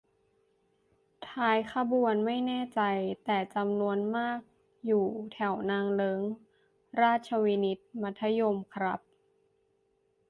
ท้ายขบวนไม่แน่ใจ แต่จำนวนมากอยู่แถวนางเลิ้ง ราชวินิต มัธยม ครับ